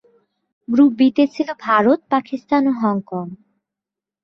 group B তে ছিলো ভারত, পাকিস্তান ও হংকং